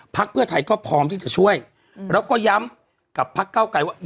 เพื่อไทยก็พร้อมที่จะช่วยแล้วก็ย้ำกับพักเก้าไกลว่า